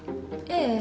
ええ。